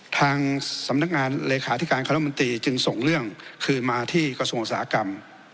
ทางสำนักงานเลขาธิการคณะมนตรีจึงส่งเรื่องคืนมาที่กระทรวงอุตสาหกรรม